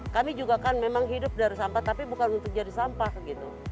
kami juga kan memang hidup dari sampah tapi bukan untuk jadi sampah gitu